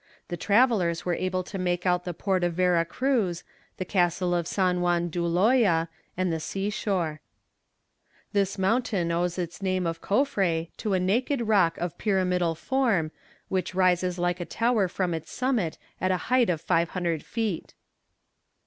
The travellers were able to make out the port of Vera Cruz, the castle of San Juan d'Ulloa and the sea shore. This mountain owes its name of Cofre to a naked rock of pyramidal form which rises like a tower from its summit at a height of 500 feet.